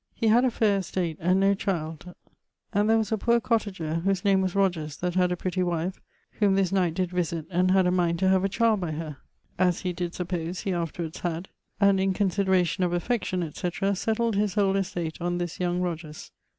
He had a faire estate, and no child; and there was a poor cottager whose name was Rogers that had a pretty wife whom this knight did visit and had a mind to have a child by her. As he did suppose, he afterwards had; and in consideration of affection, etc., settled his whole estate on this young Rogers.